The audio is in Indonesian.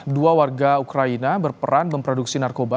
dua warga ukraina berperan memproduksi narkoba